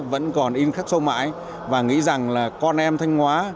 vẫn còn in khắc sâu mãi và nghĩ rằng là con em thanh hóa